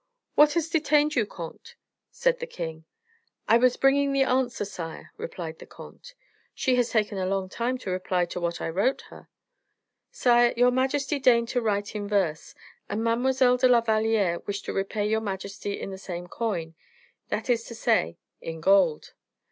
"What has detained you, comte?" said the king. "I was bringing the answer, sire," replied the comte. "She has taken a long time to reply to what I wrote her." "Sire, your majesty deigned to write in verse, and Mademoiselle de la Valliere wished to repay your majesty in the same coin; that is to say, in gold."